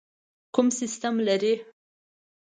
کوم سیسټم لرئ؟